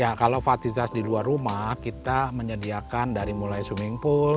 ya kalau fasilitas di luar rumah kita menyediakan dari mulai swimming pool